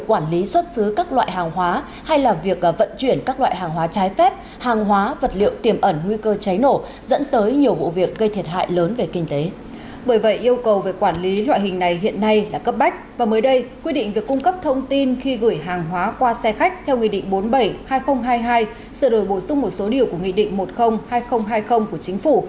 qua xe khách theo nghị định bốn mươi bảy hai nghìn hai mươi hai sự đổi bổ sung một số điều của nghị định một mươi hai nghìn hai mươi của chính phủ